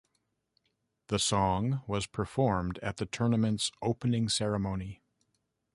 The song was performed at the tournament's opening ceremony.